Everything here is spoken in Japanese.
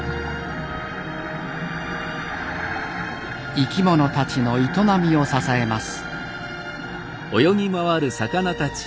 生き物たちの営みを支えます。